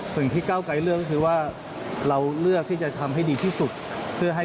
สิ่งที่เก้าไกรเลือกก็คือว่าเราเลือกที่จะทำให้ดีที่สุดเพื่อให้